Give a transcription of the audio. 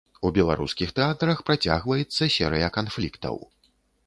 У беларускіх тэатрах працягваецца серыя канфліктаў.